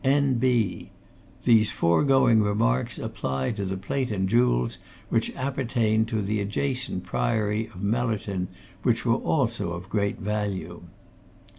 N. B. These foregoing remarks apply to the plate and jewels which appertained to the adjacent Priory of Mellerton, which were also of great value."